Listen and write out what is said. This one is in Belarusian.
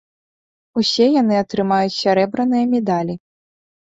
Усе яны атрымаюць сярэбраныя медалі.